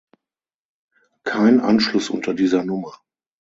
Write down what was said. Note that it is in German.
Kein Anschluß unter dieser Nummer!